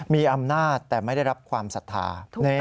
มีอำนาจแต่ไม่ได้รับความศรัทธา